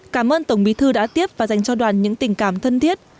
cảm ơn tổng bí thư đã tiếp và dành cho đoàn những tình cảm thân thiết